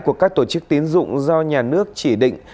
của các tổ chức tín dụng do nhà nước chỉ định